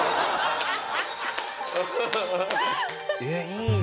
えっいいね。